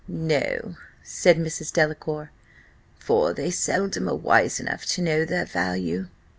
"No," said Mrs. Delacour, "for they seldom are wise enough to know their value."